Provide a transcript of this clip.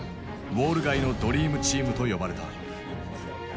「ウォール街のドリームチーム」と呼ばれた。